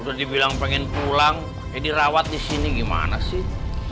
udah dibilang pengen pulang ya dirawat disini gimana sih